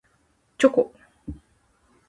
チョコ